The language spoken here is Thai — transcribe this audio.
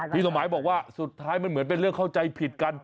สมัยบอกว่าสุดท้ายมันเหมือนเป็นเรื่องเข้าใจผิดกัน